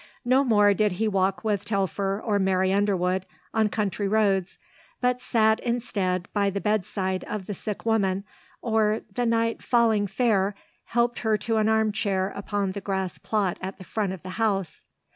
No more did he walk with Telfer or Mary Underwood on country roads but sat, instead, by the bedside of the sick woman or, the night falling fair, helped her to an arm chair upon the grass plot at the front of the house.